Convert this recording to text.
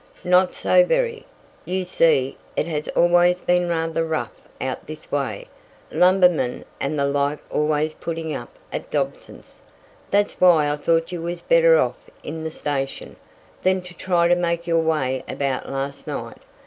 "Not so very. You see, it has always been rather rough out this way lumbermen and the like always puttin' up at Dobson's. That's why I thought you was better off in the station, than to try to make your way about last night.